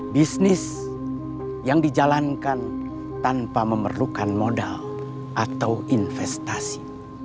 bisnis yang dijalankan tanpa memerlukan modal atau investasi